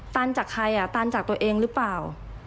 ตันจากใครอ่ะตันจากตัวเองหรือเปล่า